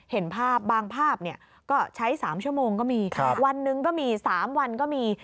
เห็นภาพบางภาพก็ใช้๓ชั่วโมงก็มีวันหนึ่งก็มี๓วันก็มี